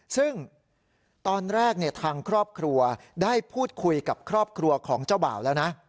ซึ่งตอนแรกทางครอบครัวได้พูดคุยกับครอบครัวของเจ้าบ่าวแล้วนะ